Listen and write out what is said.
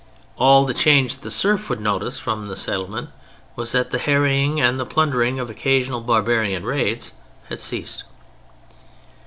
All the change the serf would notice from the settlement was that the harrying and the plundering of occasional barbarian raids had ceased.